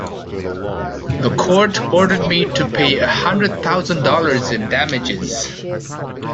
The court ordered me to pay a hundred thousand dollars in damages.